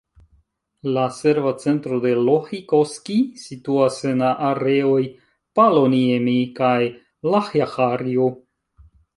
La serva centro de Lohikoski situas en areoj Paloniemi kaj Lahjaharju.